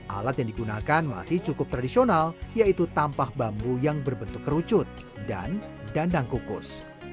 alat yang digunakan masih cukup tradisional yaitu tampah bambu yang berbentuk kerucut dan dandang kukus